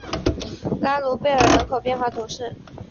拉卢贝尔人口变化图示